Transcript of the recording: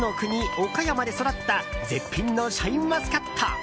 おかやまで育った絶品のシャインマスカット。